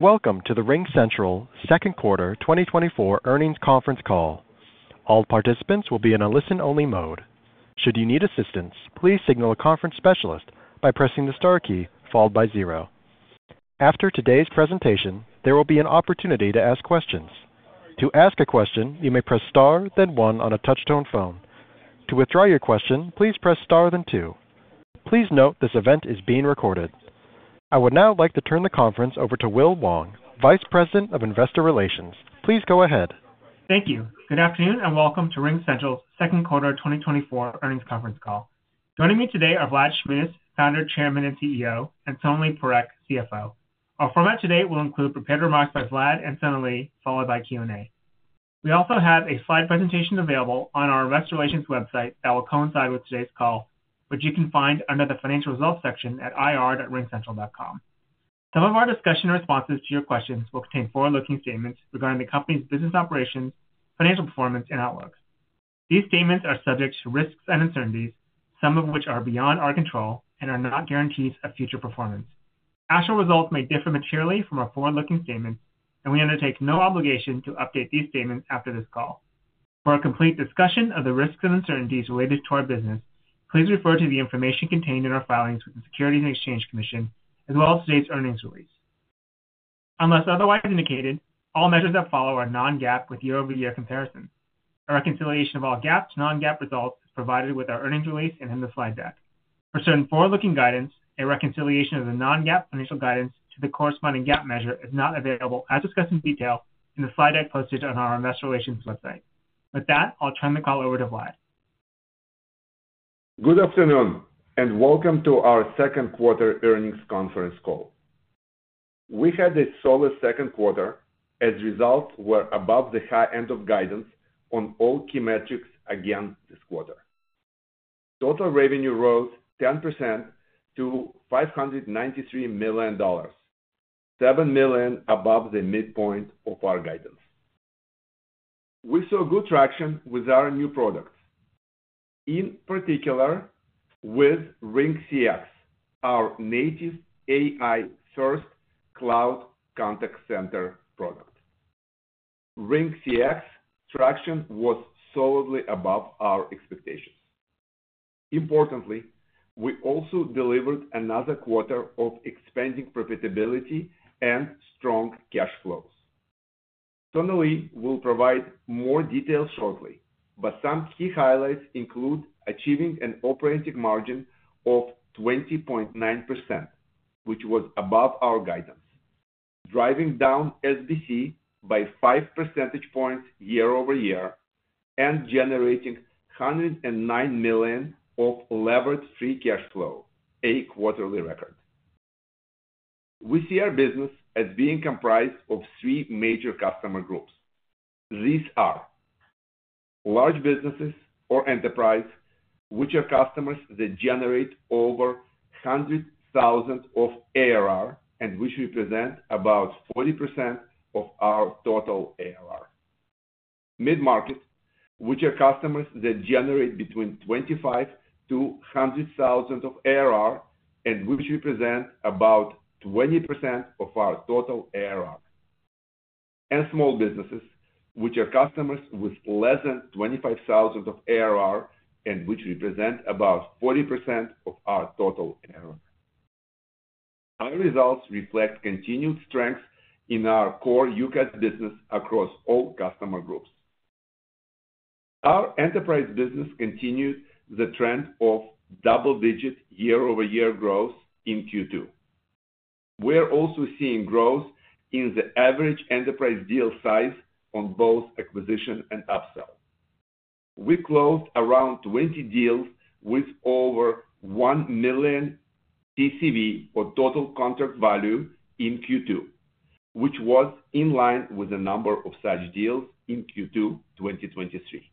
Welcome to the RingCentral second quarter 2024 earnings conference call. All participants will be in a listen-only mode. Should you need assistance, please signal a conference specialist by pressing the star key followed by zero. After today's presentation, there will be an opportunity to ask questions. To ask a question, you may press star, then one on a touch-tone phone. To withdraw your question, please press star, then two. Please note this event is being recorded. I would now like to turn the conference over to Will Wong, Vice President of Investor Relations. Please go ahead. Thank you. Good afternoon and welcome to RingCentral's second quarter 2024 earnings conference call. Joining me today are Vlad Shmunis, Founder/Chairman and CEO, and Sonalee Parekh, CFO. Our format today will include prepared remarks by Vlad and Sonalee, followed by Q&A. We also have a slide presentation available on our Investor Relations website that will coincide with today's call, which you can find under the Financial Results section at ir.ringcentral.com. Some of our discussion responses to your questions will contain forward-looking statements regarding the company's business operations, financial performance, and outlook. These statements are subject to risks and uncertainties, some of which are beyond our control and are not guarantees of future performance. Actual results may differ materially from our forward-looking statements, and we undertake no obligation to update these statements after this call. For a complete discussion of the risks and uncertainties related to our business, please refer to the information contained in our filings with the Securities and Exchange Commission, as well as today's earnings release. Unless otherwise indicated, all measures that follow are non-GAAP with year-over-year comparison. A reconciliation of all GAAP to non-GAAP results is provided with our earnings release and in the slide deck. For certain forward-looking guidance, a reconciliation of the non-GAAP financial guidance to the corresponding GAAP measure is not available, as discussed in detail in the slide deck posted on our Investor Relations website. With that, I'll turn the call over to Vlad. Good afternoon and welcome to our second quarter earnings conference call. We had a solid second quarter, as results were above the high end of guidance on all key metrics again this quarter. Total revenue rose 10% to $593 million, $7 million above the midpoint of our guidance. We saw good traction with our new products, in particular with RingCX, our native AI-first cloud contact center product. RingCX traction was solidly above our expectations. Importantly, we also delivered another quarter of expanding profitability and strong cash flows. Sonalee will provide more details shortly, but some key highlights include achieving an operating margin of 20.9%, which was above our guidance, driving down SBC by 5 percentage points year-over-year, and generating $109 million of leverage-free cash flow, a quarterly record. We see our business as being comprised of three major customer groups. These are large businesses or enterprises, which are customers that generate over $100,000 ARR, and which represent about 40% of our total ARR. Mid-market, which are customers that generate between $25,000-$100,000 ARR, and which represent about 20% of our total ARR. And small businesses, which are customers with less than $25,000 ARR, and which represent about 40% of our total ARR. Our results reflect continued strengths in our core UCaaS business across all customer groups. Our enterprise business continued the trend of double-digit year-over-year growth in Q2. We are also seeing growth in the average enterprise deal size on both acquisition and upsell. We closed around 20 deals with over $1 million TCV or total contract value in Q2, which was in line with the number of such deals in Q2 2023.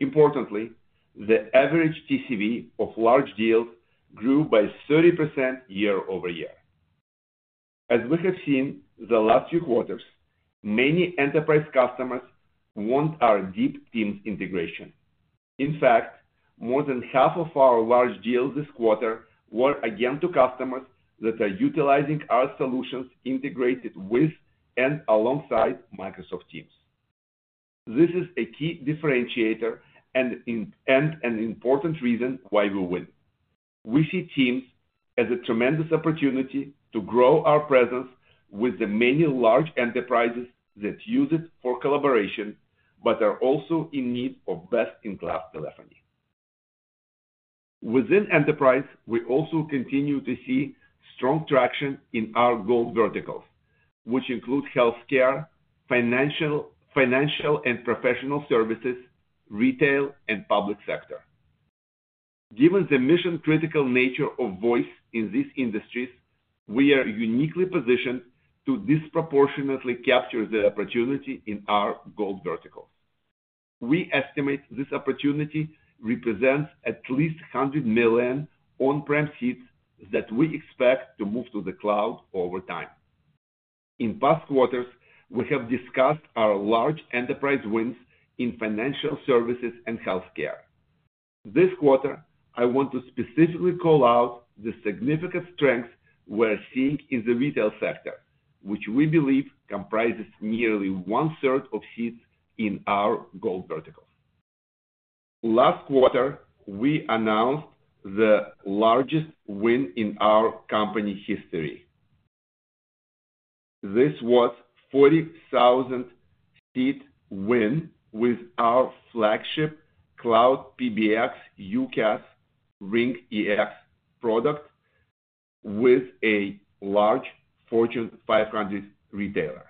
Importantly, the average TCV of large deals grew by 30% year-over-year. As we have seen the last few quarters, many enterprise customers want our deep Teams integration. In fact, more than half of our large deals this quarter were again to customers that are utilizing our solutions integrated with and alongside Microsoft Teams. This is a key differentiator and an important reason why we win. We see Teams as a tremendous opportunity to grow our presence with the many large enterprises that use it for collaboration, but are also in need of best-in-class telephony. Within enterprise, we also continue to see strong traction in our gold verticals, which include healthcare, financial and professional services, retail, and public sector. Given the mission-critical nature of voice in these industries, we are uniquely positioned to disproportionately capture the opportunity in our gold verticals. We estimate this opportunity represents at least 100 million on-prem seats that we expect to move to the cloud over time. In past quarters, we have discussed our large enterprise wins in financial services and healthcare. This quarter, I want to specifically call out the significant strengths we are seeing in the retail sector, which we believe comprises nearly one-third of seats in our gold verticals. Last quarter, we announced the largest win in our company history. This was a 40,000-seat win with our flagship cloud PBX UCaaS RingEX product with a large Fortune 500 retailer.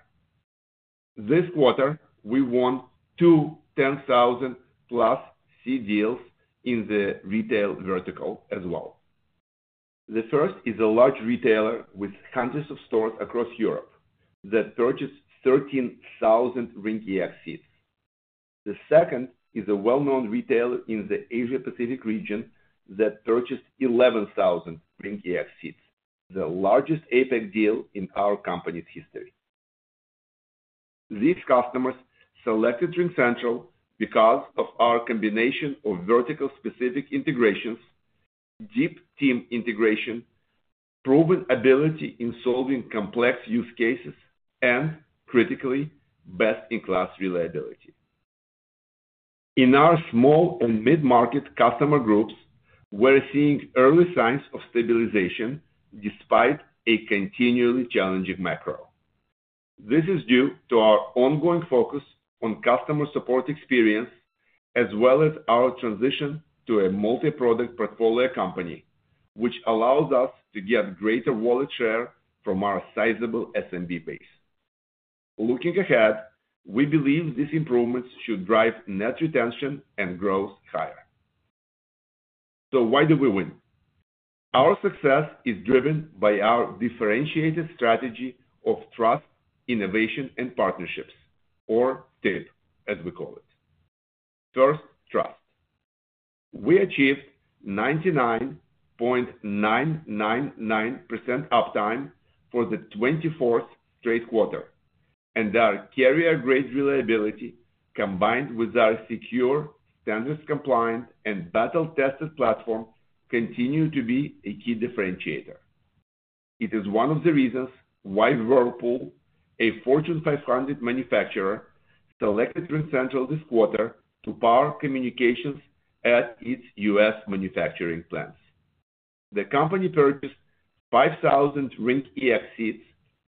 This quarter, we won two 10,000-plus seat deals in the retail vertical as well. The first is a large retailer with hundreds of stores across Europe that purchased 13,000 RingEX seats. The second is a well-known retailer in the Asia-Pacific region that purchased 11,000 RingEX seats, the largest APAC deal in our company's history. These customers selected RingCentral because of our combination of vertical-specific integrations, deep Teams integration, proven ability in solving complex use cases, and, critically, best-in-class reliability. In our small and mid-market customer groups, we are seeing early signs of stabilization despite a continually challenging macro. This is due to our ongoing focus on customer support experience, as well as our transition to a multi-product portfolio company, which allows us to get greater wallet share from our sizable SMB base. Looking ahead, we believe these improvements should drive net retention and growth higher. So why did we win? Our success is driven by our differentiated strategy of trust, innovation, and partnerships, or TIP, as we call it. First, trust. We achieved 99.999% uptime for the 24th straight quarter, and our carrier-grade reliability, combined with our secure, standards-compliant, and battle-tested platform, continues to be a key differentiator. It is one of the reasons why Whirlpool, a Fortune 500 manufacturer, selected RingCentral this quarter to power communications at its U.S. manufacturing plants. The company purchased 5,000 RingEX seats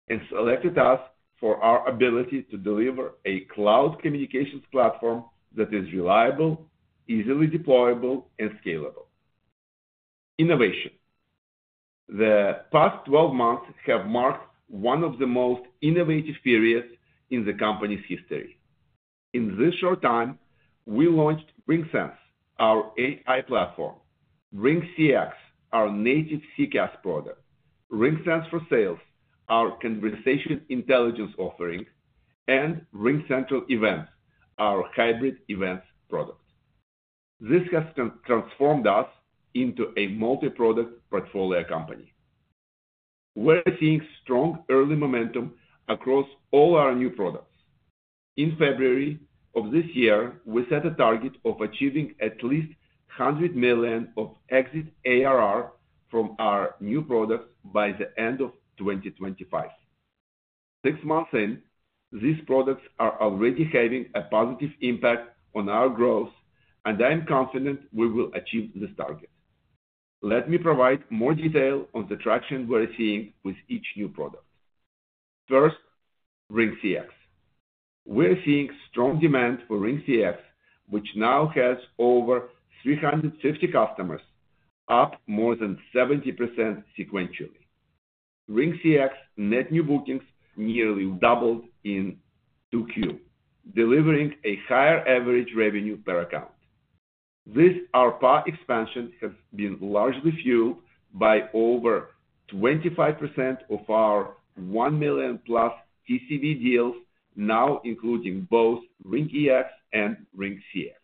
and selected us for our ability to deliver a cloud communications platform that is reliable, easily deployable, and scalable. Innovation. The past 12 months have marked one of the most innovative periods in the company's history. In this short time, we launched RingSense, our AI platform, RingCX, our native CCaaS product, RingSense for Sales, our conversation intelligence offering, and RingCentral Events, our hybrid events product. This has transformed us into a multi-product portfolio company. We're seeing strong early momentum across all our new products. In February of this year, we set a target of achieving at least $100 million of exit ARR from our new products by the end of 2025. Six months in, these products are already having a positive impact on our growth, and I'm confident we will achieve this target. Let me provide more detail on the traction we're seeing with each new product. First, RingCX. We're seeing strong demand for RingCX, which now has over 350 customers, up more than 70% sequentially. RingCX's net new bookings nearly doubled in Q2, delivering a higher average revenue per account. This ARPA expansion has been largely fueled by over 25% of our $1 million-plus TCV deals, now including both RingEX and RingCX.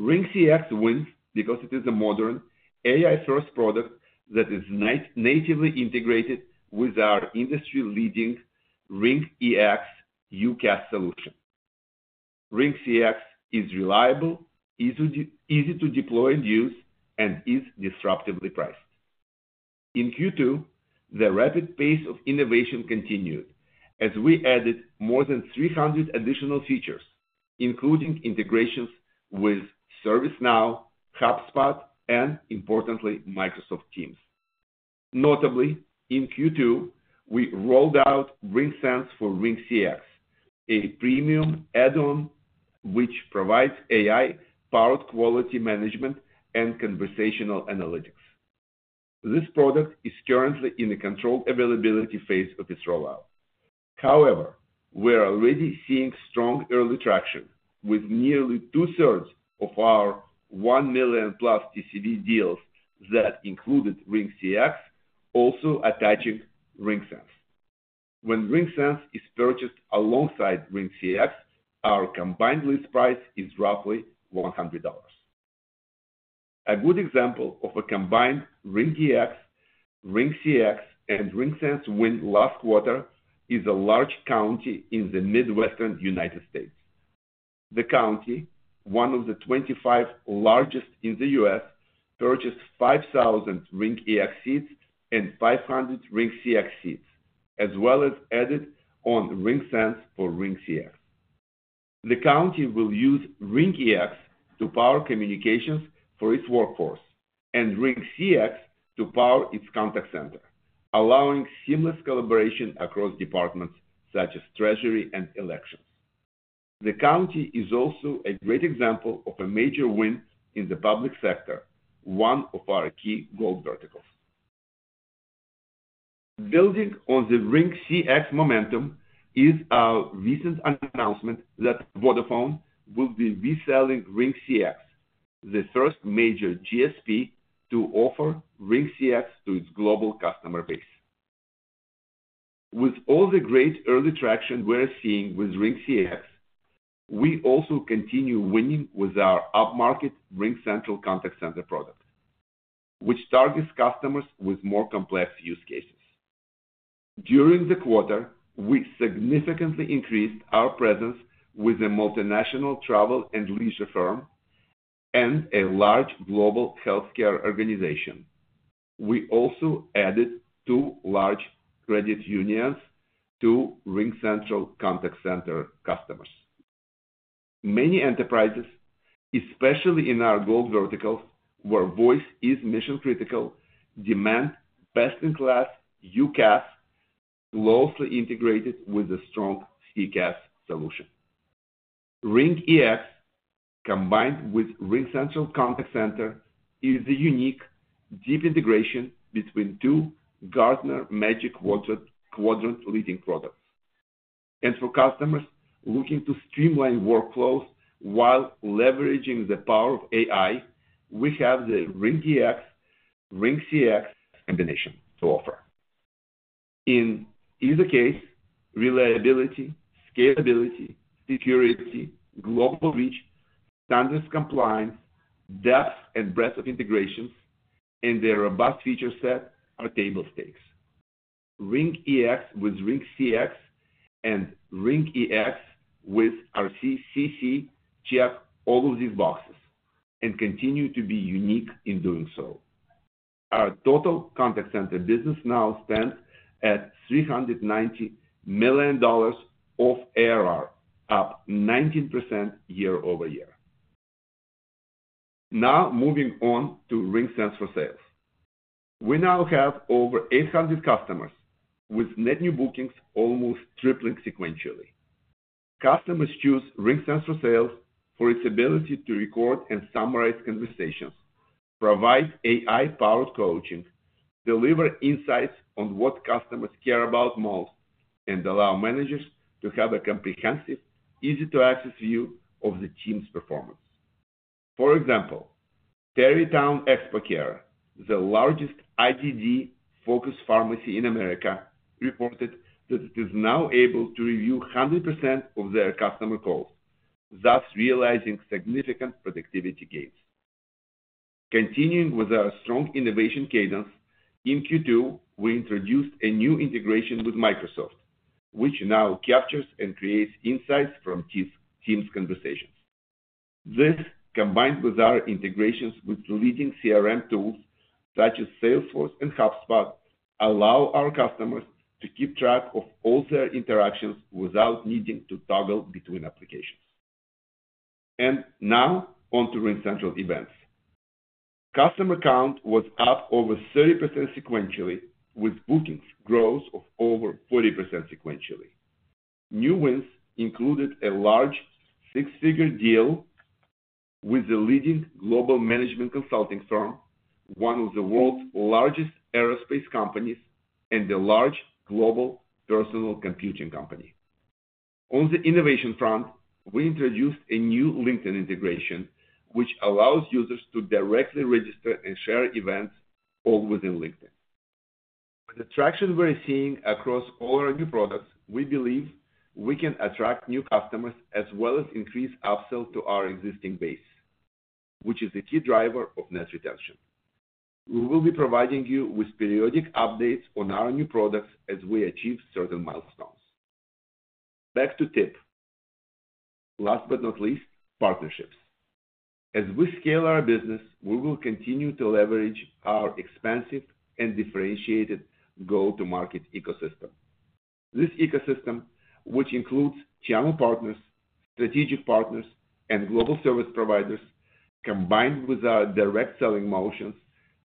RingCX wins because it is a modern, AI-first product that is natively integrated with our industry-leading RingEX UCaaS solution. RingCX is reliable, easy to deploy and use, and is disruptively priced. In Q2, the rapid pace of innovation continued as we added more than 300 additional features, including integrations with ServiceNow, HubSpot, and, importantly, Microsoft Teams. Notably, in Q2, we rolled out RingSense for RingCX, a premium add-on which provides AI-powered quality management and conversational analytics. This product is currently in the controlled availability phase of its rollout. However, we're already seeing strong early traction, with nearly two-thirds of our 1 million-plus TCV deals that included RingCX also attaching RingSense. When RingSense is purchased alongside RingCX, our combined list price is roughly $100. A good example of a combined RingEX, RingCX, and RingSense win last quarter is a large county in the Midwestern United States. The county, one of the 25 largest in the U.S., purchased 5,000 RingEX seats and 500 RingCX seats, as well as added on RingSense for RingCX. The county will use RingEX to power communications for its workforce and RingCX to power its contact center, allowing seamless collaboration across departments such as treasury and elections. The county is also a great example of a major win in the public sector, one of our key gold verticals. Building on the RingCX momentum is our recent announcement that Vodafone will be reselling RingCX, the first major GSP to offer RingCX to its global customer base. With all the great early traction we're seeing with RingCX, we also continue winning with our up-market RingCentral Contact Center product, which targets customers with more complex use cases. During the quarter, we significantly increased our presence with a multinational travel and leisure firm and a large global healthcare organization. We also added two large credit unions to RingCentral Contact Center customers. Many enterprises, especially in our gold verticals, where voice is mission-critical, demand best-in-class UCaaS closely integrated with a strong CCaaS solution. RingEX, combined with RingCentral Contact Center, is a unique deep integration between two Gartner Magic Quadrant leading products. For customers looking to streamline workflows while leveraging the power of AI, we have the RingCX combination to offer. In either case, reliability, scalability, security, global reach, standards compliance, depth and breadth of integrations, and their robust feature set are table stakes. RingEX with RingCX and RingEX with RCCC check all of these boxes and continue to be unique in doing so. Our total contact center business now stands at $390 million of ARR, up 19% year-over-year. Now, moving on to RingCentral Sales. We now have over 800 customers with net new bookings almost tripling sequentially. Customers choose RingCentral Sales for its ability to record and summarize conversations, provide AI-powered coaching, deliver insights on what customers care about most, and allow managers to have a comprehensive, easy-to-access view of the team's performance. For example, Tarrytown Expocare, the largest IDD-focused pharmacy in America, reported that it is now able to review 100% of their customer calls, thus realizing significant productivity gains. Continuing with our strong innovation cadence, in Q2, we introduced a new integration with Microsoft, which now captures and creates insights from Teams conversations. This, combined with our integrations with leading CRM tools such as Salesforce and HubSpot, allows our customers to keep track of all their interactions without needing to toggle between applications. Now, onto RingCentral Events. Customer count was up over 30% sequentially, with bookings growth of over 40% sequentially. New wins included a large six-figure deal with a leading global management consulting firm, one of the world's largest aerospace companies, and a large global personal computing company. On the innovation front, we introduced a new LinkedIn integration, which allows users to directly register and share events all within LinkedIn. With the traction we're seeing across all our new products, we believe we can attract new customers as well as increase upsell to our existing base, which is a key driver of net retention. We will be providing you with periodic updates on our new products as we achieve certain milestones. Back to TIP. Last but not least, partnerships. As we scale our business, we will continue to leverage our expansive and differentiated go-to-market ecosystem. This ecosystem, which includes channel partners, strategic partners, and global service providers, combined with our direct selling motions,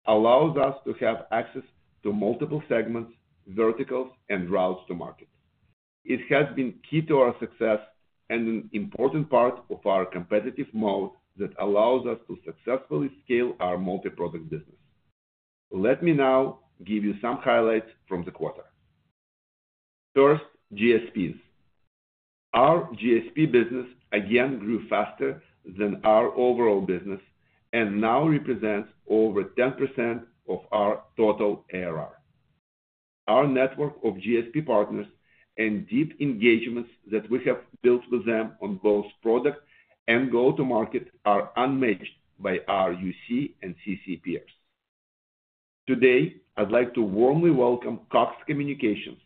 allows us to have access to multiple segments, verticals, and routes to market. It has been key to our success and an important part of our competitive mode that allows us to successfully scale our multi-product business. Let me now give you some highlights from the quarter. First, GSPs. Our GSP business again grew faster than our overall business and now represents over 10% of our total ARR. Our network of GSP partners and deep engagements that we have built with them on both product and go-to-market are unmatched by our UC and CC peers. Today, I'd like to warmly welcome Cox Communications,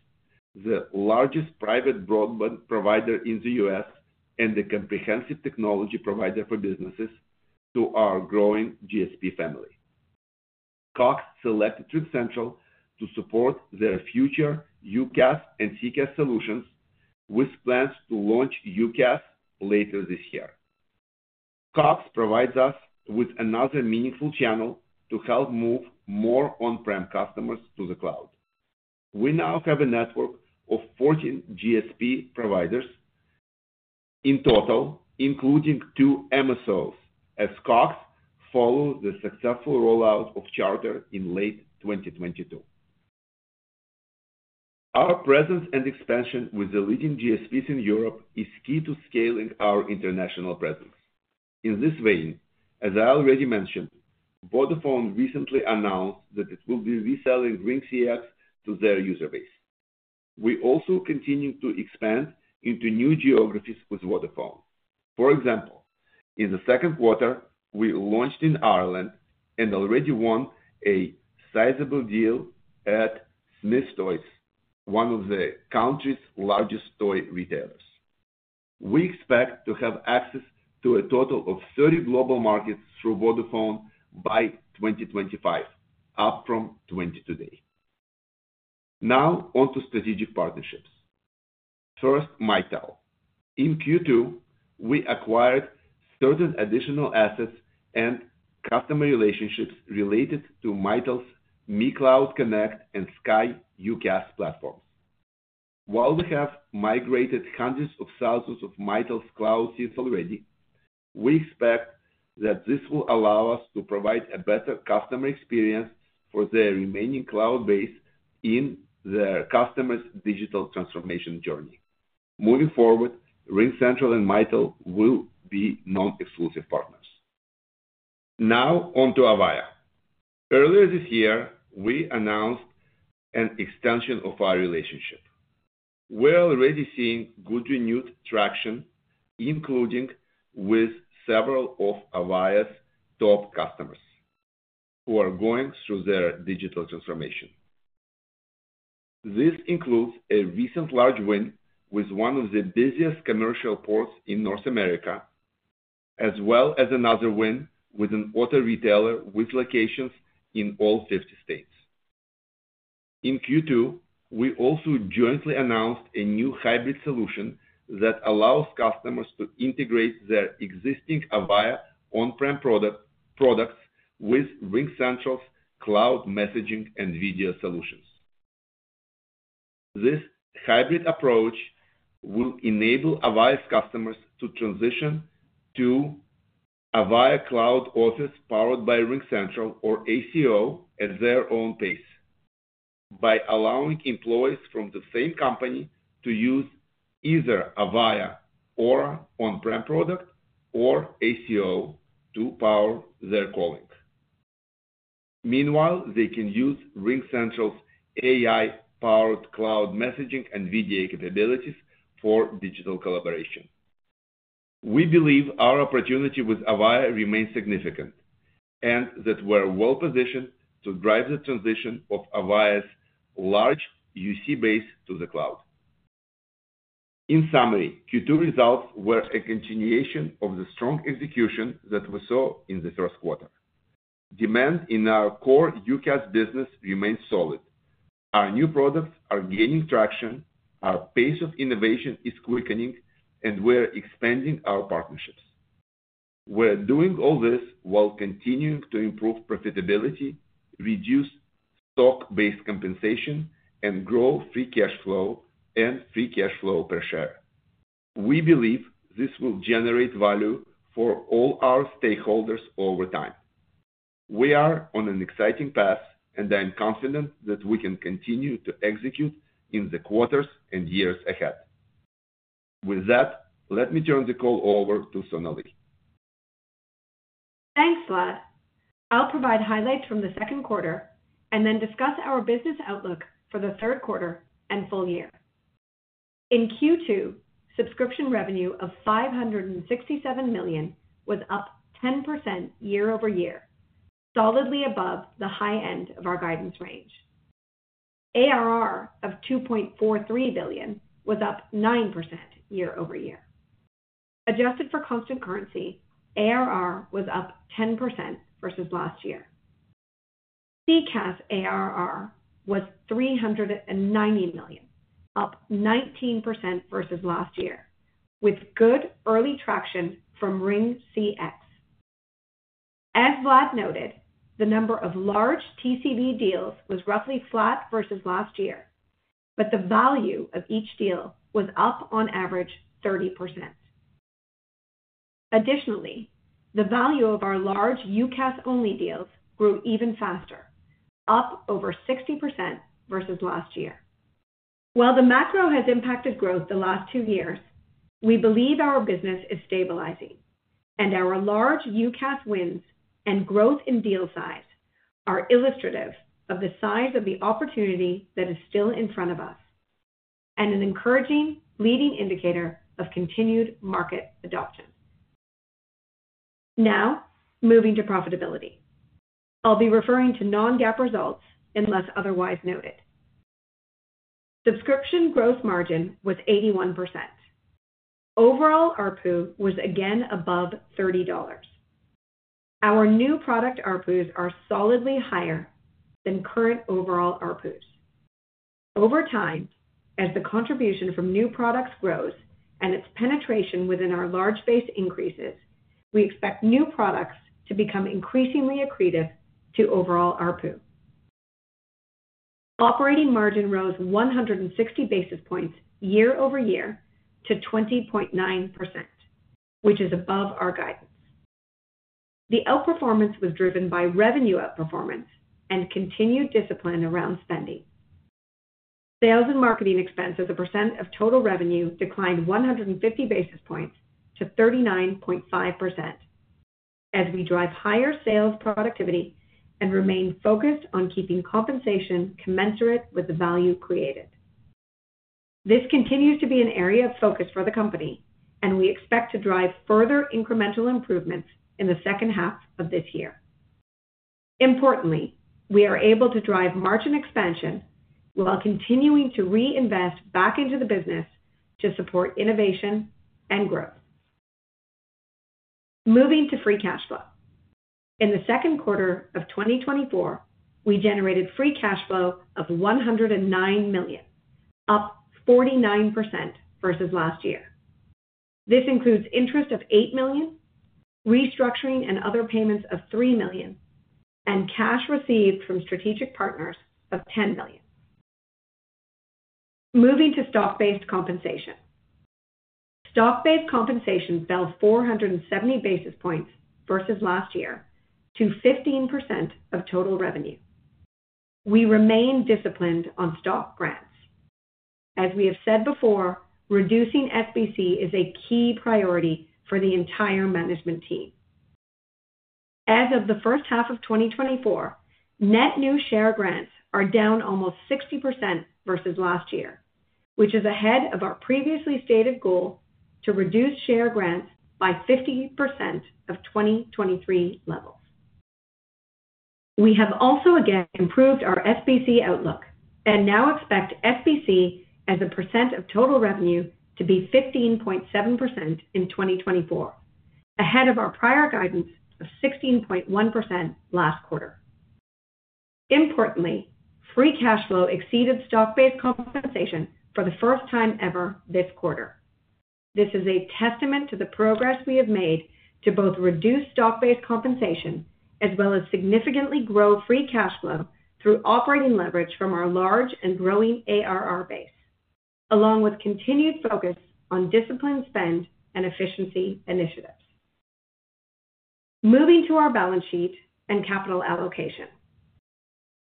the largest private broadband provider in the U.S. and a comprehensive technology provider for businesses, to our growing GSP family. Cox selected RingCentral to support their future UCaaS and CCaaS solutions, with plans to launch UCaaS later this year. Cox provides us with another meaningful channel to help move more on-prem customers to the cloud. We now have a network of 14 GSP providers in total, including two MSOs, as Cox followed the successful rollout of Charter in late 2022. Our presence and expansion with the leading GSPs in Europe is key to scaling our international presence. In this vein, as I already mentioned, Vodafone recently announced that it will be reselling RingCX to their user base. We also continue to expand into new geographies with Vodafone. For example, in the second quarter, we launched in Ireland and already won a sizable deal at Smyths Toys, one of the country's largest toy retailers. We expect to have access to a total of 30 global markets through Vodafone by 2025, up from 20 today. Now, onto strategic partnerships. First, Mitel. In Q2, we acquired certain additional assets and customer relationships related to Mitel's MiCloud Connect and Sky UCaaS platforms. While we have migrated hundreds of thousands of Mitel's cloud seats already, we expect that this will allow us to provide a better customer experience for their remaining cloud base in their customers' digital transformation journey. Moving forward, RingCentral and Mitel will be non-exclusive partners. Now, onto Avaya. Earlier this year, we announced an extension of our relationship. We're already seeing good renewed traction, including with several of Avaya's top customers who are going through their digital transformation. This includes a recent large win with one of the busiest commercial ports in North America, as well as another win with an auto retailer with locations in all 50 states. In Q2, we also jointly announced a new hybrid solution that allows customers to integrate their existing Avaya on-prem products with RingCentral's cloud messaging and video solutions. This hybrid approach will enable Avaya's customers to transition to Avaya Cloud Office powered by RingCentral or ACO at their own pace by allowing employees from the same company to use either Avaya or on-prem product or ACO to power their calling. Meanwhile, they can use RingCentral's AI-powered cloud messaging and video capabilities for digital collaboration. We believe our opportunity with Avaya remains significant and that we're well-positioned to drive the transition of Avaya's large UC base to the cloud. In summary, Q2 results were a continuation of the strong execution that we saw in the first quarter. Demand in our core UCaaS business remains solid. Our new products are gaining traction, our pace of innovation is quickening, and we're expanding our partnerships. We're doing all this while continuing to improve profitability, reduce stock-based compensation, and grow free cash flow and free cash flow per share. We believe this will generate value for all our stakeholders over time. We are on an exciting path, and I'm confident that we can continue to execute in the quarters and years ahead. With that, let me turn the call over to Sonalee. Thanks, Vlad. I'll provide highlights from the second quarter and then discuss our business outlook for the third quarter and full year. In Q2, subscription revenue of $567 million was up 10% year-over-year, solidly above the high end of our guidance range. ARR of $2.43 billion was up 9% year-over-year. Adjusted for constant currency, ARR was up 10% versus last year. CCaaS ARR was $390 million, up 19% versus last year, with good early traction from RingCX. As Vlad noted, the number of large TCV deals was roughly flat versus last year, but the value of each deal was up on average 30%. Additionally, the value of our large UCaaS-only deals grew even faster, up over 60% versus last year. While the macro has impacted growth the last 2 years, we believe our business is stabilizing, and our large UCaaS wins and growth in deal size are illustrative of the size of the opportunity that is still in front of us and an encouraging leading indicator of continued market adoption. Now, moving to profitability. I'll be referring to non-GAAP results unless otherwise noted. Subscription growth margin was 81%. Overall, our ARPU was again above $30. Our new product ARPUs are solidly higher than current overall ARPUs. Over time, as the contribution from new products grows and its penetration within our large base increases, we expect new products to become increasingly accretive to overall ARPU. Operating margin rose 160 basis points year-over-year to 20.9%, which is above our guidance. The outperformance was driven by revenue outperformance and continued discipline around spending. Sales and marketing expenses as a percent of total revenue declined 150 basis points to 39.5% as we drive higher sales productivity and remain focused on keeping compensation commensurate with the value created. This continues to be an area of focus for the company, and we expect to drive further incremental improvements in the second half of this year. Importantly, we are able to drive margin expansion while continuing to reinvest back into the business to support innovation and growth. Moving to free cash flow. In the second quarter of 2024, we generated free cash flow of $109 million, up 49% versus last year. This includes interest of $8 million, restructuring and other payments of $3 million, and cash received from strategic partners of $10 million. Moving to stock-based compensation. Stock-based compensation fell 470 basis points versus last year to 15% of total revenue. We remain disciplined on stock grants. As we have said before, reducing SBC is a key priority for the entire management team. As of the first half of 2024, net new share grants are down almost 60% versus last year, which is ahead of our previously stated goal to reduce share grants by 50% of 2023 levels. We have also again improved our SBC outlook and now expect SBC as a percent of total revenue to be 15.7% in 2024, ahead of our prior guidance of 16.1% last quarter. Importantly, free cash flow exceeded stock-based compensation for the first time ever this quarter. This is a testament to the progress we have made to both reduce stock-based compensation as well as significantly grow free cash flow through operating leverage from our large and growing ARR base, along with continued focus on disciplined spend and efficiency initiatives. Moving to our balance sheet and capital allocation.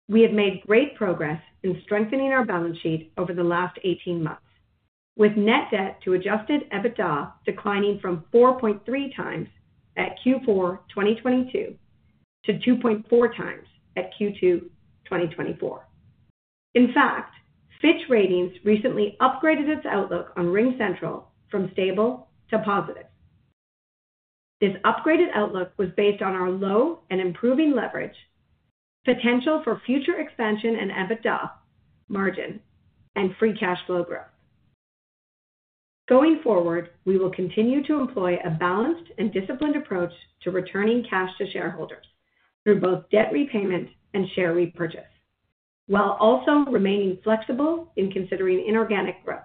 We have made great progress in strengthening our balance sheet over the last 18 months, with net debt to adjusted EBITDA declining from 4.3 times at Q4 2022 to 2.4 times at Q2 2024. In fact, Fitch Ratings recently upgraded its outlook on RingCentral from stable to positive. This upgraded outlook was based on our low and improving leverage, potential for future expansion and EBITDA margin, and free cash flow growth. Going forward, we will continue to employ a balanced and disciplined approach to returning cash to shareholders through both debt repayment and share repurchase, while also remaining flexible in considering inorganic growth.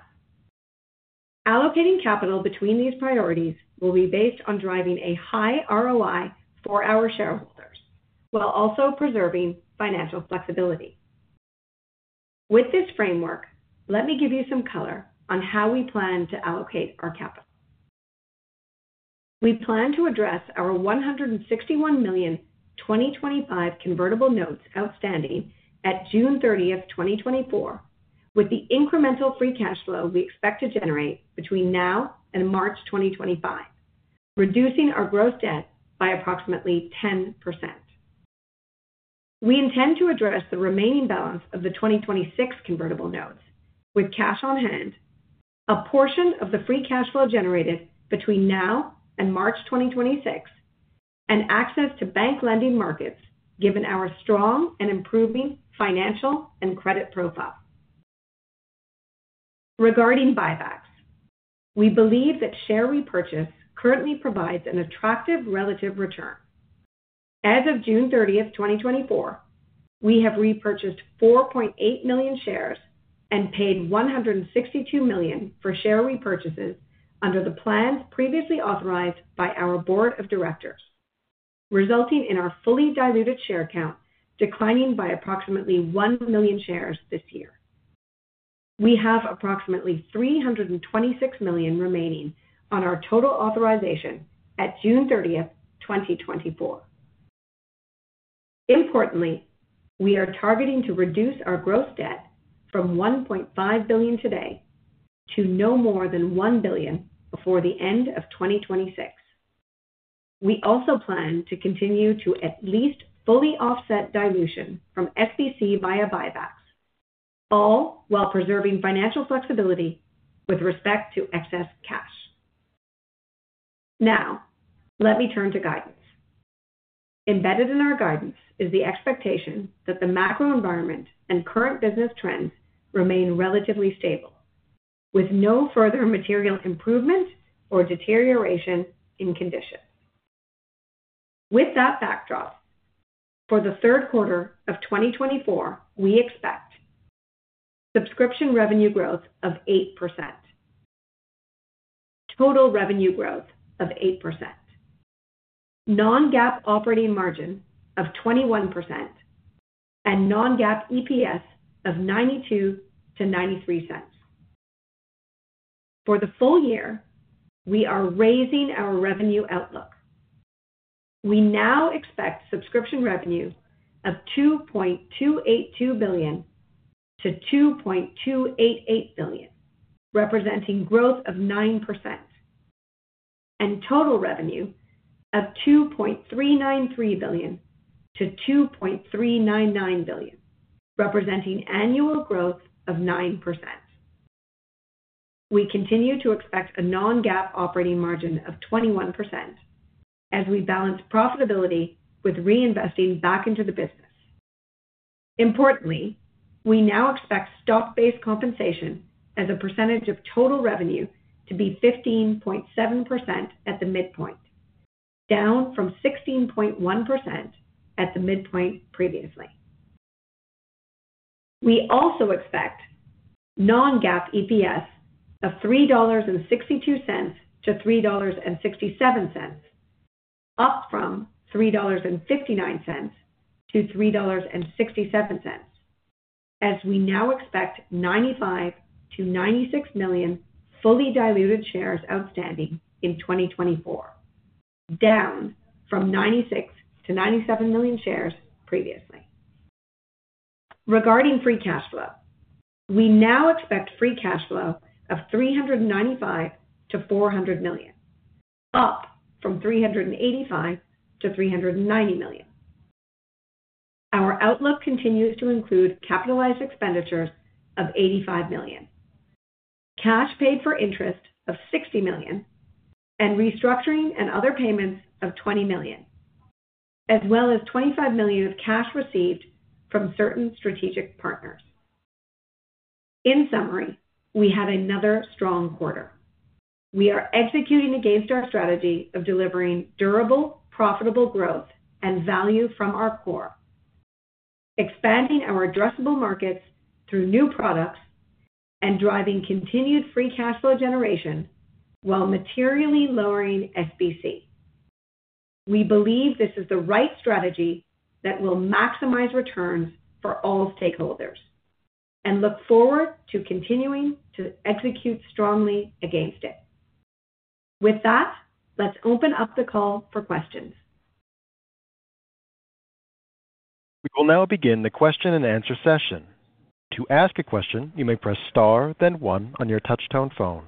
Allocating capital between these priorities will be based on driving a high ROI for our shareholders, while also preserving financial flexibility. With this framework, let me give you some color on how we plan to allocate our capital. We plan to address our $161 million 2025 convertible notes outstanding at June 30, 2024, with the incremental free cash flow we expect to generate between now and March 2025, reducing our gross debt by approximately 10%. We intend to address the remaining balance of the 2026 convertible notes with cash on hand, a portion of the free cash flow generated between now and March 2026, and access to bank lending markets given our strong and improving financial and credit profile. Regarding buybacks, we believe that share repurchase currently provides an attractive relative return. As of June 30, 2024, we have repurchased 4.8 million shares and paid $162 million for share repurchases under the plans previously authorized by our board of directors, resulting in our fully diluted share count declining by approximately 1 million shares this year. We have approximately $326 million remaining on our total authorization at June 30, 2024. Importantly, we are targeting to reduce our gross debt from $1.5 billion today to no more than $1 billion before the end of 2026. We also plan to continue to at least fully offset dilution from SBC via buybacks, all while preserving financial flexibility with respect to excess cash. Now, let me turn to guidance. Embedded in our guidance is the expectation that the macro environment and current business trends remain relatively stable, with no further material improvement or deterioration in conditions. With that backdrop, for the third quarter of 2024, we expect subscription revenue growth of 8%, total revenue growth of 8%, non-GAAP operating margin of 21%, and non-GAAP EPS of $0.92-$0.93. For the full year, we are raising our revenue outlook. We now expect subscription revenue of $2.282-$2.288 billion, representing growth of 9%, and total revenue of $2.393-$2.399 billion, representing annual growth of 9%. We continue to expect a non-GAAP operating margin of 21% as we balance profitability with reinvesting back into the business. Importantly, we now expect stock-based compensation as a percentage of total revenue to be 15.7% at the midpoint, down from 16.1% at the midpoint previously. We also expect non-GAAP EPS of $3.62-$3.67, up from $3.59-$3.67, as we now expect 95-96 million fully diluted shares outstanding in 2024, down from 96-97 million shares previously. Regarding free cash flow, we now expect free cash flow of $395-$400 million, up from $385-$390 million. Our outlook continues to include capitalized expenditures of $85 million, cash paid for interest of $60 million, and restructuring and other payments of $20 million, as well as $25 million of cash received from certain strategic partners. In summary, we had another strong quarter. We are executing against our strategy of delivering durable, profitable growth and value from our core, expanding our addressable markets through new products and driving continued free cash flow generation while materially lowering SBC. We believe this is the right strategy that will maximize returns for all stakeholders and look forward to continuing to execute strongly against it. With that, let's open up the call for questions. We will now begin the question and answer session. To ask a question, you may press star, then one on your touch-tone phone.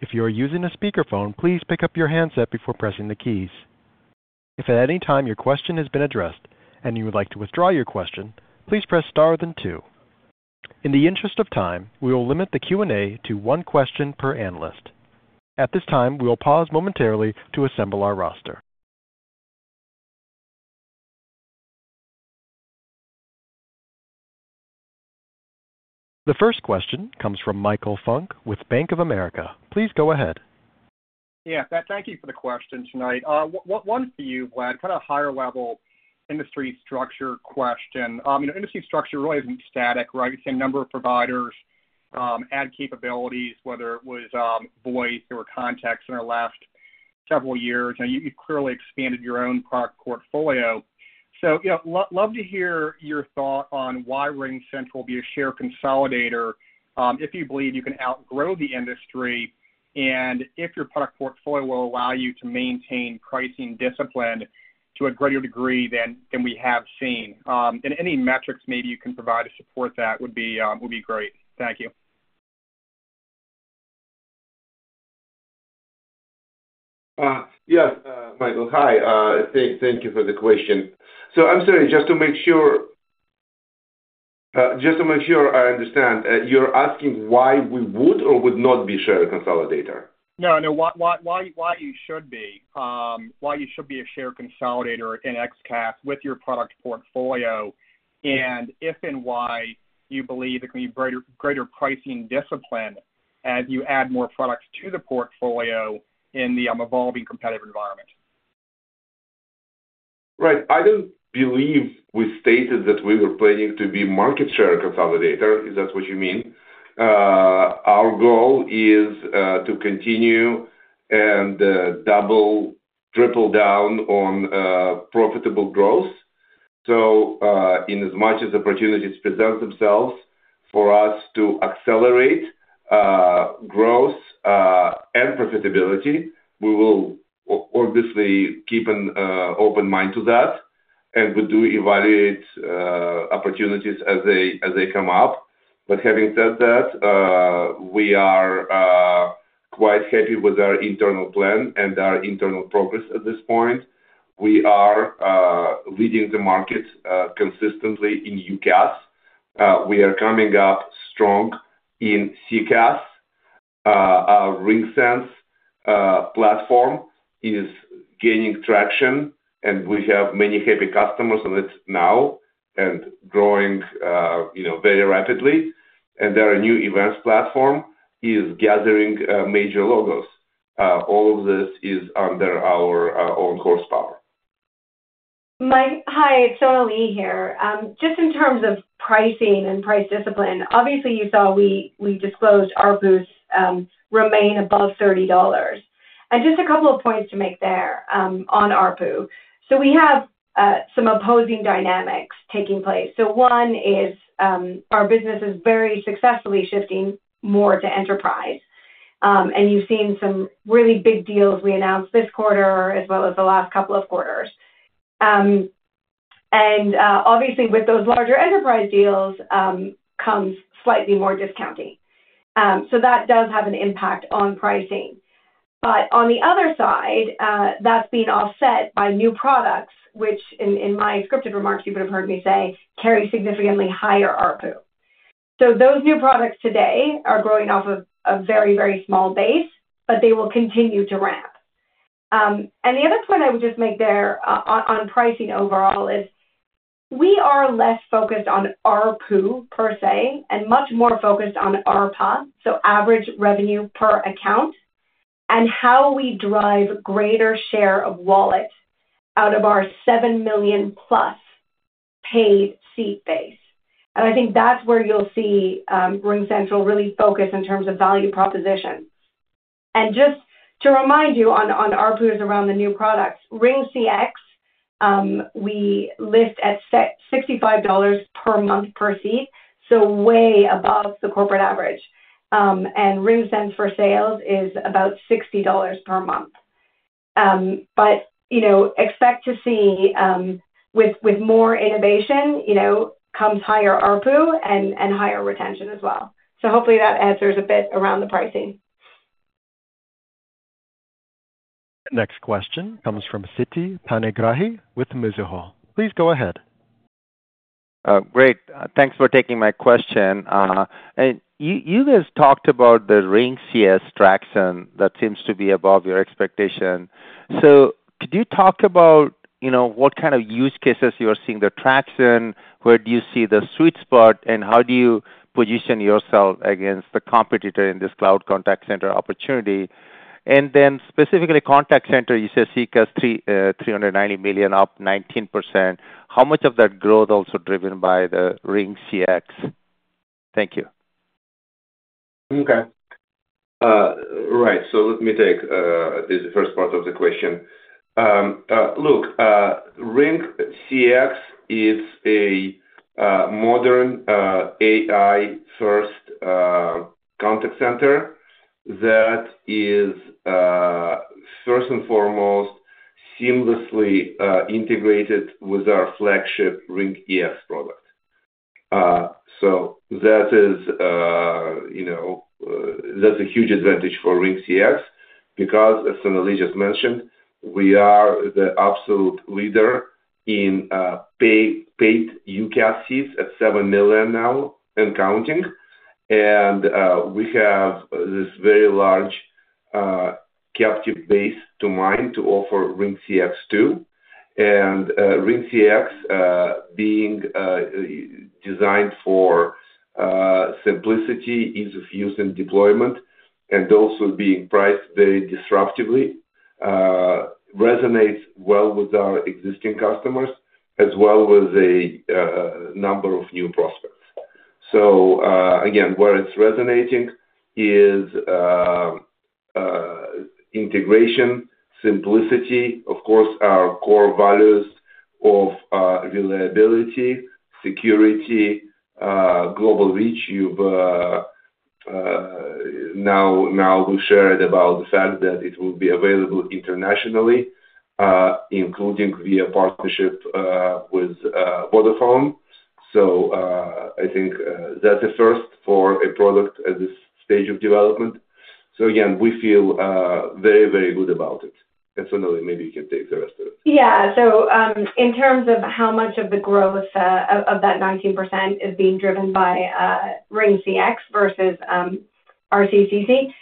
If you are using a speakerphone, please pick up your handset before pressing the keys. If at any time your question has been addressed and you would like to withdraw your question, please press star, then two. In the interest of time, we will limit the Q&A to one question per analyst. At this time, we will pause momentarily to assemble our roster. The first question comes from Michael Funk with Bank of America. Please go ahead. Yeah, thank you for the question tonight. One for you, Vlad, kind of a higher-level industry structure question. Industry structure really isn't static, right? You see a number of providers add capabilities, whether it was Voice or Contact Center last several years. You've clearly expanded your own product portfolio. So love to hear your thought on why RingCentral will be a share consolidator if you believe you can outgrow the industry and if your product portfolio will allow you to maintain pricing discipline to a greater degree than we have seen. And any metrics maybe you can provide to support that would be great. Thank you. Yeah, Michael, hi. Thank you for the question. So I'm sorry, just to make sure I understand, you're asking why we would or would not be a share consolidator? No, no, why you should be. Why you should be a share consolidator in UCaaS with your product portfolio and if and why you believe there can be greater pricing discipline as you add more products to the portfolio in the evolving competitive environment. Right. I don't believe we stated that we were planning to be market share consolidator, if that's what you mean. Our goal is to continue and double, triple down on profitable growth. So in as much as opportunities present themselves for us to accelerate growth and profitability, we will obviously keep an open mind to that. And we do evaluate opportunities as they come up. But having said that, we are quite happy with our internal plan and our internal progress at this point. We are leading the market consistently in UCaaS. We are coming up strong in CCaaS. Our RingCentral's platform is gaining traction, and we have many happy customers on it now and growing very rapidly. Our new events platform is gathering major logos. All of this is under our own horsepower. Hi, it's Sonalee here. Just in terms of pricing and price discipline, obviously you saw we disclosed ARPUs remain above $30. Just a couple of points to make there on ARPU. So we have some opposing dynamics taking place. So one is our business is very successfully shifting more to enterprise. And you've seen some really big deals we announced this quarter as well as the last couple of quarters. And obviously, with those larger enterprise deals comes slightly more discounting. So that does have an impact on pricing. But on the other side, that's being offset by new products, which in my scripted remarks, you would have heard me say, carry significantly higher ARPU. So those new products today are growing off of a very, very small base, but they will continue to ramp. And the other point I would just make there on pricing overall is we are less focused on ARPU per se and much more focused on ARPA, so average revenue per account, and how we drive greater share of wallet out of our 7 million-plus paid seat base. And I think that's where you'll see RingCentral really focus in terms of value proposition. And just to remind you on ARPUs around the new products, RingCX, we list at $65 per month per seat, so way above the corporate average. And RingSense for sales is about $60 per month. But expect to see with more innovation comes higher ARPU and higher retention as well. So hopefully that answers a bit around the pricing. Next question comes from Siti Panigrahi with Mizuho. Please go ahead. Great. Thanks for taking my question. And you guys talked about the RingCX traction that seems to be above your expectation. So could you talk about what kind of use cases you are seeing the traction? Where do you see the sweet spot? And how do you position yourself against the competitor in this cloud contact center opportunity? And then specifically contact center, you said CCaaS $390 million up 19%. How much of that growth also driven by the RingCX? Thank you. Okay. Right. So let me take this first part of the question. Look, RingCX is a modern AI-first contact center that is first and foremost seamlessly integrated with our flagship RingEX product. So that is a huge advantage for RingCX because, as Sonalee just mentioned, we are the absolute leader in paid UCaaS seats at 7 million now and counting. And we have this very large captive base to mine to offer RingCX too. And RingCX, being designed for simplicity, ease of use, and deployment, and also being priced very disruptively, resonates well with our existing customers as well as a number of new prospects. So again, where it's resonating is integration, simplicity, of course, our core values of reliability, security, global reach. Now we shared about the fact that it will be available internationally, including via partnership with Vodafone. So I think that's a first for a product at this stage of development. So again, we feel very, very good about it. And Sonalee, maybe you can take the rest of it. Yeah. So in terms of how much of the growth of that 19% is being driven by RingCX versus RCCC,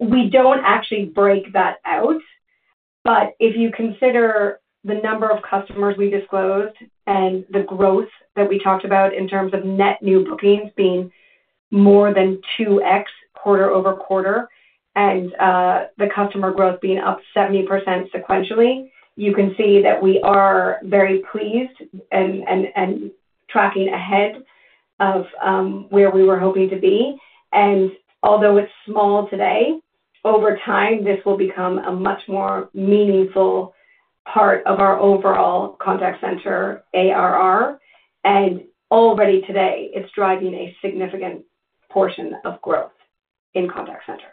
we don't actually break that out. But if you consider the number of customers we disclosed and the growth that we talked about in terms of net new bookings being more than 2x quarter-over-quarter and the customer growth being up 70% sequentially, you can see that we are very pleased and tracking ahead of where we were hoping to be. And although it's small today, over time, this will become a much more meaningful part of our overall contact center ARR. And already today, it's driving a significant portion of growth in contact center.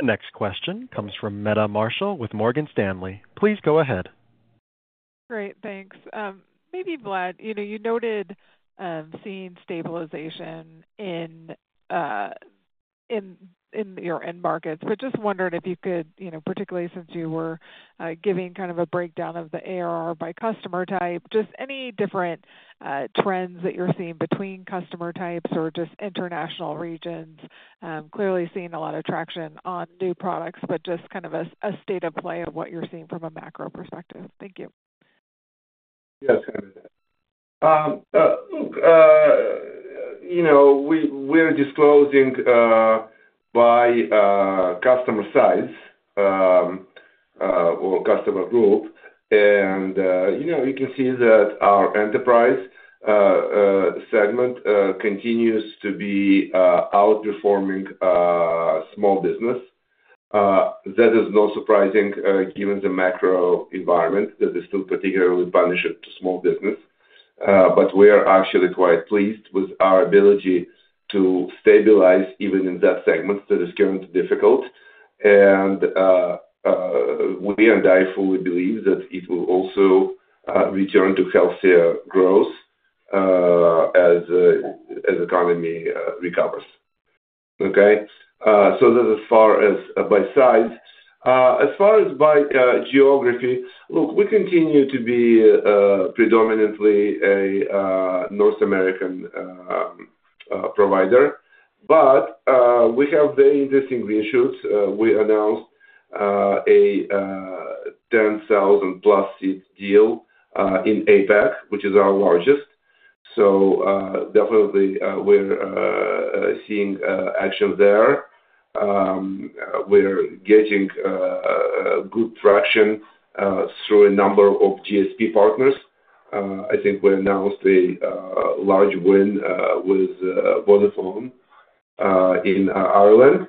The next question comes from Meta Marshall with Morgan Stanley. Please go ahead. Great. Thanks. Maybe, Vlad, you noted seeing stabilization in your end markets, but just wondered if you could, particularly since you were giving kind of a breakdown of the ARR by customer type, just any different trends that you're seeing between customer types or just international regions. Clearly seeing a lot of traction on new products, but just kind of a state of play of what you're seeing from a macro perspective. Thank you. Yes, I understand. Look, we're disclosing by customer size or customer group. You can see that our enterprise segment continues to be outperforming small business. That is not surprising given the macro environment that is still particularly punishing to small business. But we are actually quite pleased with our ability to stabilize even in that segment that is currently difficult. And we and I fully believe that it will also return to healthier growth as the economy recovers. Okay? So that's as far as by size. As far as by geography, look, we continue to be predominantly a North American provider. But we have very interesting results. We announced a 10,000-plus seat deal in APAC, which is our largest. So definitely, we're seeing action there. We're getting good traction through a number of GSP partners. I think we announced a large win with Vodafone in Ireland.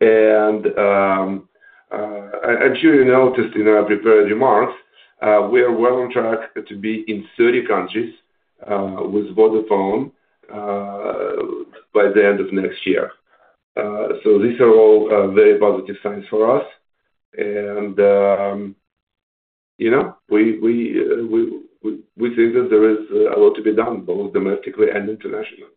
And I'm sure you noticed in our prepared remarks, we are well on track to be in 30 countries with Vodafone by the end of next year. So these are all very positive signs for us. And we think that there is a lot to be done, both domestically and internationally.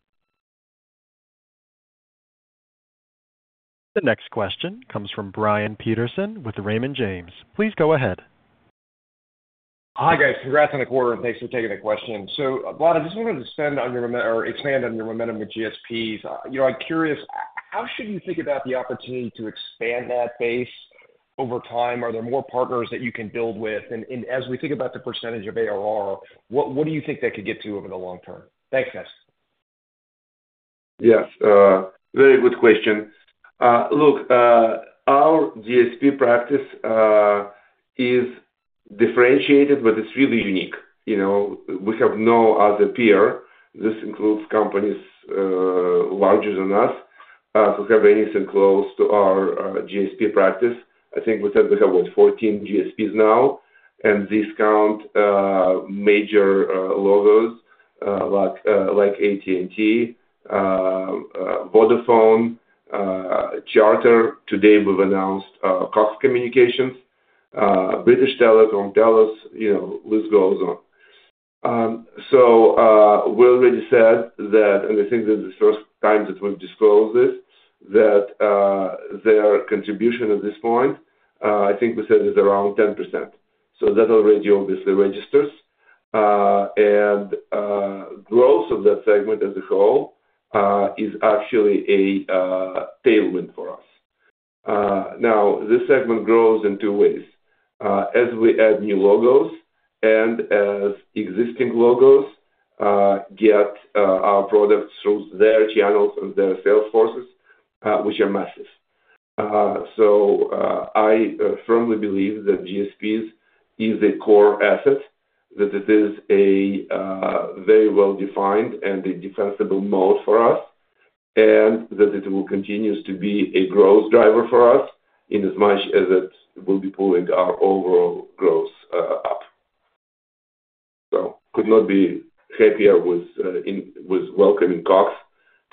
The next question comes from Brian Peterson with Raymond James. Please go ahead. Hi, guys. Congrats on the quarter. And thanks for taking the question. So, Vlad, I just wanted to expand on your momentum with GSPs. I'm curious, how should we think about the opportunity to expand that base over time? Are there more partners that you can build with? And as we think about the percentage of ARR, what do you think that could get to over the long term? Thanks, guys. Yes. Very good question. Look, our GSP practice is differentiated, but it's really unique. We have no other peer. This includes companies larger than us who have anything close to our GSP practice. I think we said we have, what, 14 GSPs now, and these count major logos like AT&T, Vodafone, Charter. Today, we've announced Cox Communications, British Telecom, Telus, list goes on. So we already said that, and I think this is the first time that we've disclosed this, that their contribution at this point, I think we said it's around 10%. So that already obviously registers. And growth of that segment as a whole is actually a tailwind for us. Now, this segment grows in two ways: as we add new logos and as existing logos get our products through their channels and their sales forces, which are massive. So I firmly believe that GSPs is a core asset, that it is a very well-defined and a defensible mode for us, and that it will continue to be a growth driver for us in as much as it will be pulling our overall growth up. So could not be happier with welcoming Cox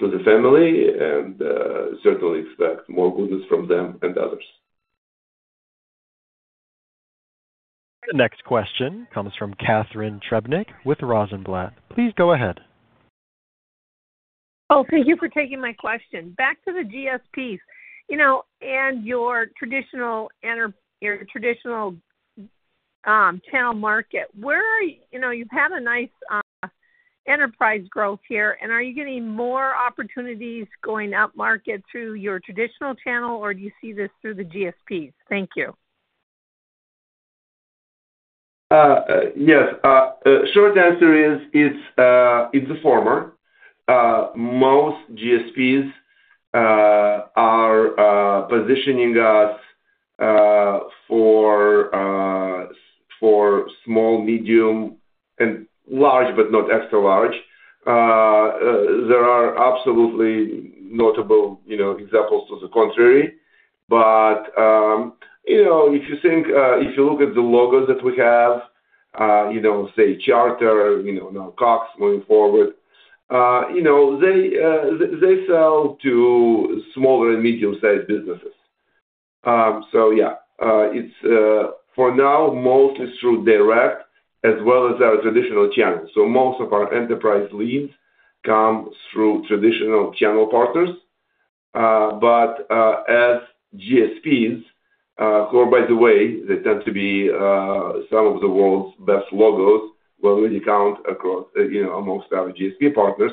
to the family and certainly expect more goodness from them and others. The next question comes from Catharine Trebnick with Rosenblatt. Please go ahead. Oh, thank you for taking my question. Back to the GSPs and your traditional channel market. You've had a nice enterprise growth here. And are you getting more opportunities going up market through your traditional channel, or do you see this through the GSPs? Thank you. Yes. Short answer is it's the former. Most GSPs are positioning us for small, medium, and large, but not extra large. There are absolutely notable examples to the contrary. But if you think, if you look at the logos that we have, say, Charter, now Cox moving forward, they sell to smaller and medium-sized businesses. So yeah, it's for now mostly through direct as well as our traditional channels. So most of our enterprise leads come through traditional channel partners. But as GSPs, who are, by the way, they tend to be some of the world's best logos when we count amongst our GSP partners,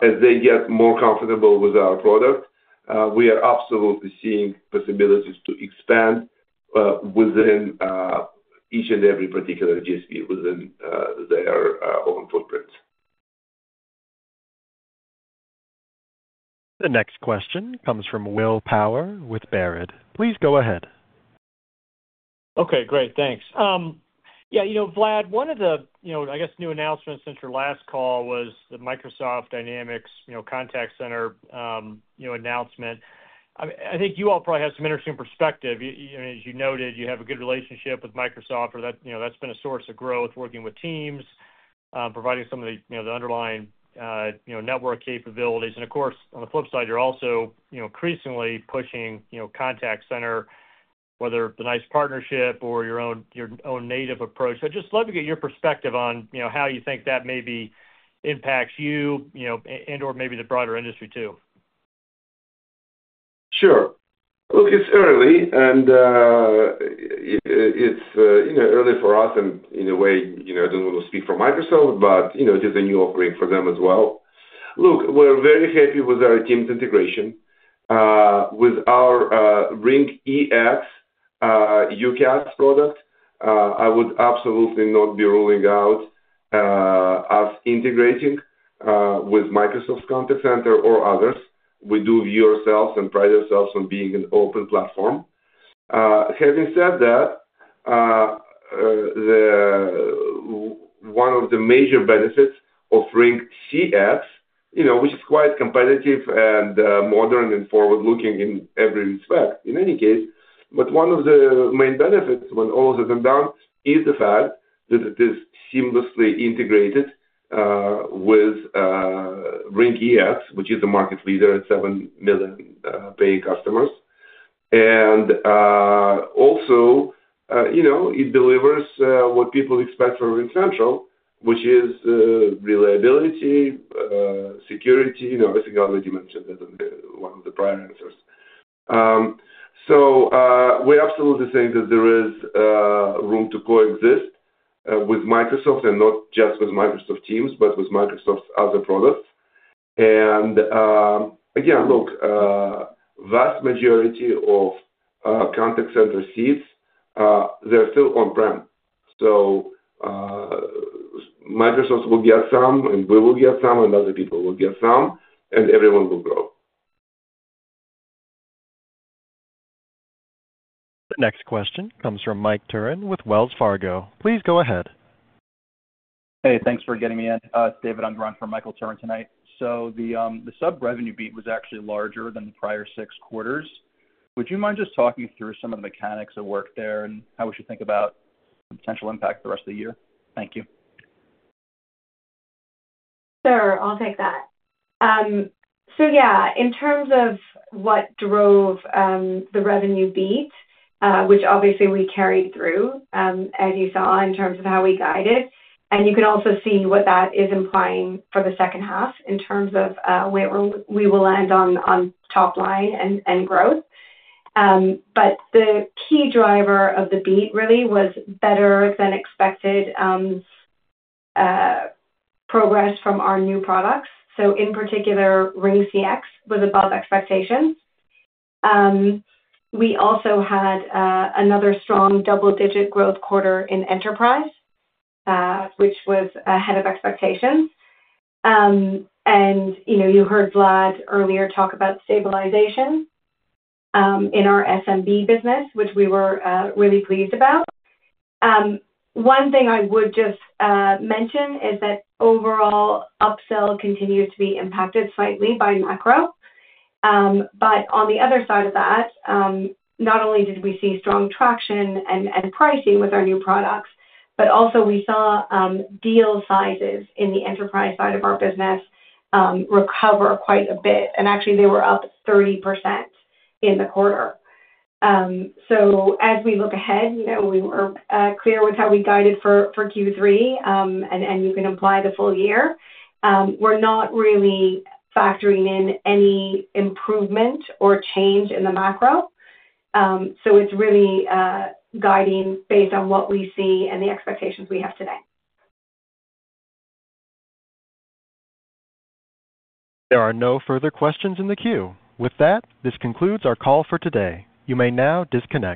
as they get more comfortable with our product, we are absolutely seeing possibilities to expand within each and every particular GSP within their own footprints. The next question comes from Will Power with Baird. Please go ahead. Okay. Great. Thanks. Yeah. Vlad, one of the, I guess, new announcements since your last call was the Microsoft Dynamics Contact Center announcement. I think you all probably have some interesting perspective. As you noted, you have a good relationship with Microsoft, or that's been a source of growth, working with teams, providing some of the underlying network capabilities. And of course, on the flip side, you're also increasingly pushing contact center, whether the NICE partnership or your own native approach. I'd just love to get your perspective on how you think that maybe impacts you and/or maybe the broader industry too. Sure. Look, it's early, and it's early for us. And in a way, I don't want to speak for Microsoft, but it is a new offering for them as well. Look, we're very happy with our Teams integration. With our RingEX UCaaS product, I would absolutely not be ruling out us integrating with Microsoft Contact Center or others. We do view ourselves and pride ourselves on being an open platform. Having said that, one of the major benefits of RingCX, which is quite competitive and modern and forward-looking in every respect, in any case, but one of the main benefits when all is said and done is the fact that it is seamlessly integrated with RingEX, which is the market leader at 7 million paying customers. And also, it delivers what people expect from RingCentral, which is reliability, security. I think I already mentioned that in one of the prior answers. So we absolutely think that there is room to coexist with Microsoft and not just with Microsoft Teams, but with Microsoft's other products. And again, look, vast majority of contact center seats, they're still on-prem. So Microsoft will get some, and we will get some, and other people will get some, and everyone will grow. The next question comes from Mike Turrin with Wells Fargo. Please go ahead. Hey, thanks for getting me in. It's David. I'm dialing for Michael Turrin tonight. So the sub-revenue beat was actually larger than the prior six quarters. Would you mind just talking through some of the mechanics that worked there and how we should think about the potential impact for the rest of the year? Thank you. Sure. I'll take that. So yeah, in terms of what drove the revenue beat, which obviously we carried through, as you saw, in terms of how we guided. And you can also see what that is implying for the second half in terms of where we will land on top line and growth. But the key driver of the beat really was better-than-expected progress from our new products. So in particular, RingCX was above expectations. We also had another strong double-digit growth quarter in enterprise, which was ahead of expectations. And you heard Vlad earlier talk about stabilization in our SMB business, which we were really pleased about. One thing I would just mention is that overall, upsell continues to be impacted slightly by macro. But on the other side of that, not only did we see strong traction and pricing with our new products, but also we saw deal sizes in the enterprise side of our business recover quite a bit. And actually, they were up 30% in the quarter. So as we look ahead, we were clear with how we guided for Q3, and you can apply the full year. We're not really factoring in any improvement or change in the macro. So it's really guiding based on what we see and the expectations we have today. There are no further questions in the queue. With that, this concludes our call for today. You may now disconnect.